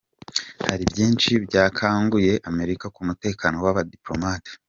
Hari byinshi byakanguye Amerika ku mutekano w’abadipolomate.